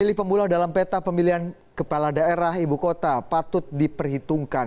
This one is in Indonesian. pemilih pemula dalam peta pemilihan kepala daerah ibu kota patut diperhitungkan